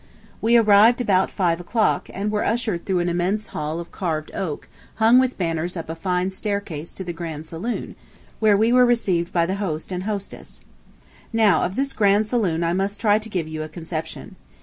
We arrived about five o'clock, and were ushered through an immense hall of carved oak hung with banners up a fine staircase to the grand saloon, where we were received by the host and hostess. Now of this grand saloon I must try to give you a conception.